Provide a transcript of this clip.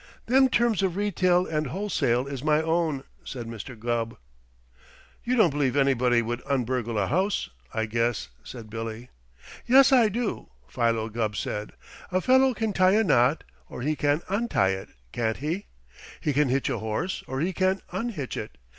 "Them terms of retail and wholesale is my own," said Mr. Gubb. "You don't believe anybody would un burgle a house, I guess," said Billy. "Yes, I do," Philo Gubb said. "A fellow can tie a knot, or he can un tie it, can't he? He can hitch a horse, or he can un hitch it.